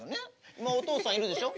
今お父さんいるでしょ？